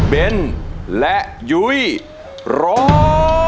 เบนและยุ้ยร้อง